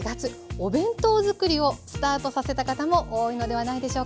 お弁当づくりをスタートさせた方も多いのではないでしょうか。